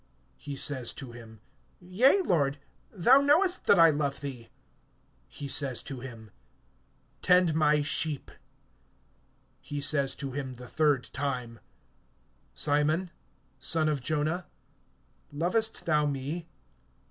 He says to him: Yea, Lord; thou knowest that I love thee. He says to him: Tend my sheep. (17)He says to him the third time: Simon, son of Jonah, lovest thou me?